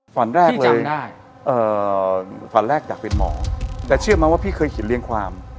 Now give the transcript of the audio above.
ตอนแรกเลยฝันแรกอยากเป็นหมอแต่เชื่อไหมว่าพี่เคยเขียนเรียงความ